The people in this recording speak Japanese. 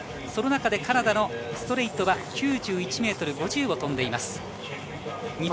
その中で、カナダのストレイトは９１ｍ５０を飛んでいます。